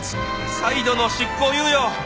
・「再度の執行猶予！」